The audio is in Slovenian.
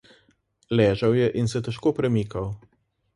Ležal je in se težko premikal.